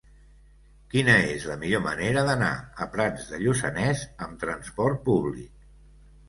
Quina és la millor manera d'anar a Prats de Lluçanès amb trasport públic?